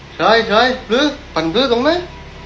สวยสวยฟลื้อฝันฟื้อตรงนั้น